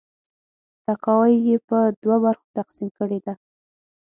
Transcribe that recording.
تاکاوی یې په دوه برخو تقسیم کړې ده.